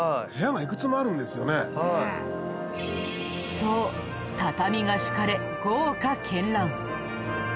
そう畳が敷かれ豪華絢爛。